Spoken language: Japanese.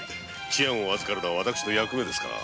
治安を預かるのは私の役目ですから。